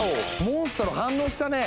モンストロ反応したね！